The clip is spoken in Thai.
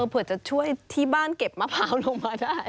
เผื่อจะช่วยที่บ้านเก็บมะพร้าวลงมาได้